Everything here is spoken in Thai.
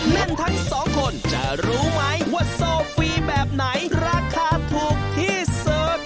เล่นทั้งสองคนจะรู้ไหมว่าโซฟีแบบไหนราคาถูกที่สุด